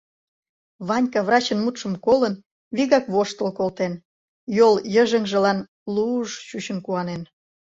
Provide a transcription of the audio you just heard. Ванька, врачын мутшым колын, вигак воштыл колтен, йол йыжыҥжылан лу-уж чучын куанен.